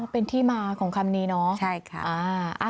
อ๋อเป็นที่มาของคำนี้เนอะใช่ค่ะอ่า